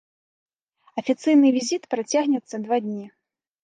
Афіцыйны візіт працягнецца два дня.